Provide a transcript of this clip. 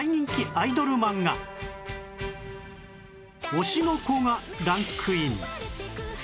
『推しの子』がランクイン